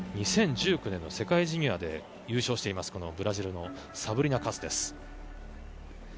２０１９年の世界ジュニアで優勝しているブラジルのサブリナ・カスです。